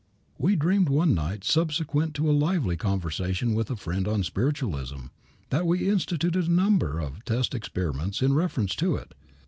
We dreamed one night, subsequent to a lively conversation with a friend on spiritualism, that we instituted a number of test experiments in reference to it.